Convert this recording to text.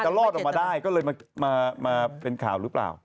รอดออกมาได้ก็เลยมาเป็นข่าวหรือเปล่า